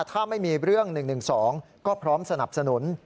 ถ้าไม่มีเรื่อง๑๑๒ก็พร้อมสนับสนุน